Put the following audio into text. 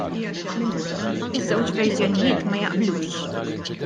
Iż-żewġ verżjonijiet ma jaqblux.